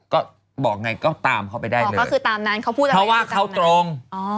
ก็บอกยังไงก็ตามเขาไปได้เลยเพราะว่าเขาตรง